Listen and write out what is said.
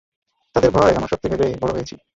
তাদের ভয় আমার শক্তি ভেবে বড় হয়েছি।